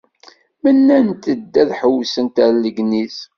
Mennant-d ad ḥewwsent ar Legniz.